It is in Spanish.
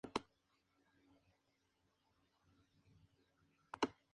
Lastimosamente a medida crece la población se van reduciendo los bosques.